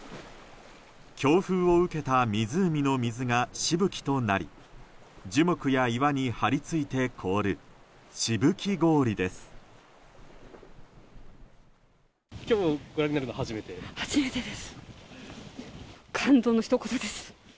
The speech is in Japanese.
強風を受けた湖の水がしぶきとなり樹木や岩に張り付いて凍るしぶき氷です。